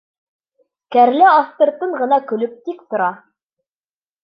Кәрлә аҫтыртын ғына көлөп тик тора.